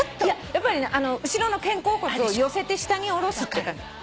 やっぱりね後ろの肩甲骨を寄せて下におろす。